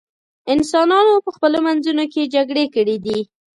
انسانانو په خپلو منځونو کې جګړې کړې دي.